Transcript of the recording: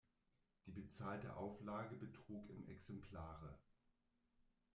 Die bezahlte Auflage betrug im Exemplare.